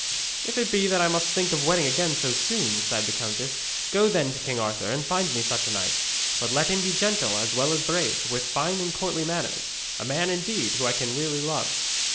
'If it be that I must think of wedding again so soon,' sighed the countess, 'go then to King Arthur, and find me such a knight. But let him be gentle as well as brave, with fine and courtly manners a man, indeed, whom I can really love.'